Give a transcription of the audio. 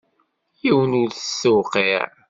Yiwen ur t-tewqiɛ.